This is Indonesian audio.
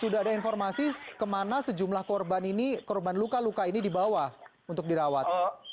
sudah ada informasi kemana sejumlah korban ini korban luka luka ini dibawa untuk dirawat